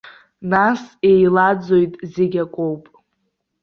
Нас еилаӡоит, зегь акоуп.